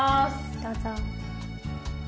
どうぞ。